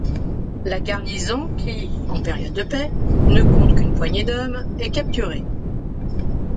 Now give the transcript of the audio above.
La garnison qui, en période de paix, ne compte qu'une poignée d'hommes, est capturée.